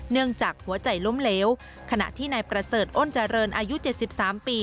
เนื่องจากหัวใจล้มเหลวขณะที่นายประเสริฐอ้นเจริญอายุ๗๓ปี